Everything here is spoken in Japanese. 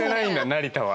成田は。